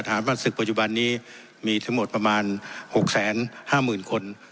ทหารพันธุ์จึกปัจจุบันนี้มีทั้งหมดประมาณหกแสนห้าหมื่นคน